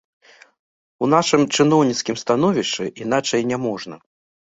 У нашым чыноўніцкім становішчы іначай няможна.